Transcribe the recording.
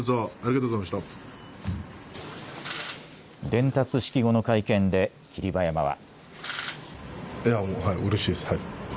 伝達式後の会見で霧馬山は。